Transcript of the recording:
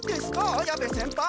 綾部先輩。